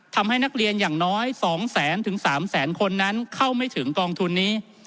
ทำให้นักเรียนอย่างน้อย๒แสนถึง๓แสนคนนั้นเข้าไม่ถึงกองทุนนี้